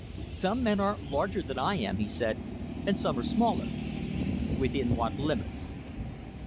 "Some men are larger than I am," he said, "and some are smaller." "Within what limits?"